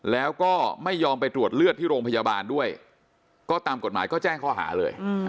แล้วก็ไม่ยอมไปตรวจเลือดที่โรงพยาบาลด้วยก็ตามกฎหมายก็แจ้งข้อหาเลย